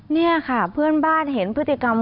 นี่ค่ะเพื่อนบ้านเห็นพฤติกรรม